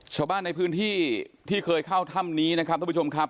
ชาวบ้านในพื้นที่ที่เคยเข้าถ้ำนี้นะครับทุกผู้ชมครับ